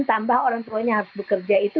tambah orang tuanya harus bekerja itu